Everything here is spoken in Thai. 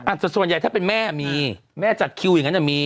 ส่วนใหญ่ถ้าเป็นแม่มีแม่จัดคิวอย่างนั้นอ่ะมี